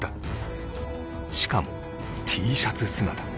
しかも Ｔ シャツ姿